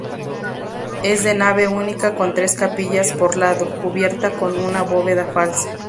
Es de nave única con tres capillas por lado, cubierta con una bóveda falsa.